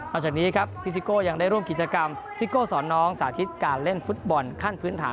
หลังจากนี้ครับพี่ซิโก้ยังได้ร่วมกิจกรรมซิโก้สอนน้องสาธิตการเล่นฟุตบอลขั้นพื้นฐาน